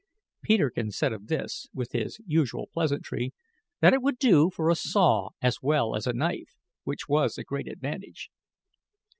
(Peterkin said of this, with his usual pleasantry, that it would do for a saw as well as a knife, which was a great advantage.)